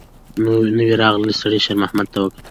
نوي راغلي سړي شېرمحمد ته وکتل.